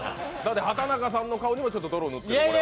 畑中さんの顔にもちょっと泥を塗ったと。